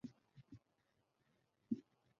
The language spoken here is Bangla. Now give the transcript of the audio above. কথা বলেন আমার সাথে।